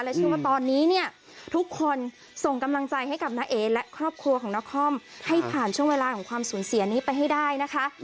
เชื่อว่าตอนนี้เนี่ยทุกคนส่งกำลังใจให้กับน้าเอและครอบครัวของนครให้ผ่านช่วงเวลาของความสูญเสียนี้ไปให้ได้นะคะ